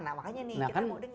nah makanya nih kita mau denger